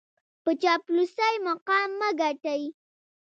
په چاپلوسۍ مقام مه ګټئ.